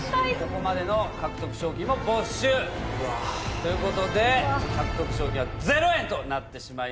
ここまでの獲得賞金も没収。ということで獲得賞金は０円となってしまいました。